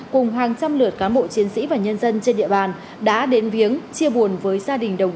cùng hàng trăm lượt cán bộ chiến sĩ và nhân dân trên địa bàn